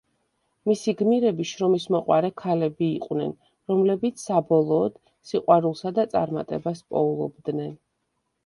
მისი გმირები შრომისმოყვარე ქალები იყვნენ, რომლებიც საბოლოოდ სიყვარულსა და წარმატებას პოულობდნენ.